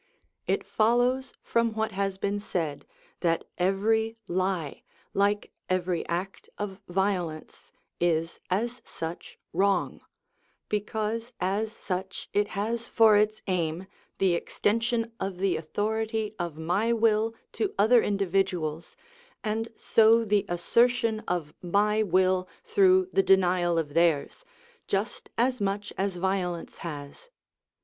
It follows from what has been said, that every lie, like every act of violence, is as such wrong, because as such it has for its aim the extension of the authority of my will to other individuals, and so the assertion of my will through the denial of theirs, just as much as violence has.